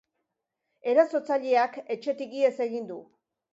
Erasotzaileak etxetik ihes egin du.